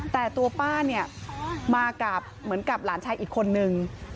แต่ตัวป้าเนี่ยมากับเหมือนกับหลานชายอีกคนนึง